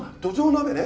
鍋ね！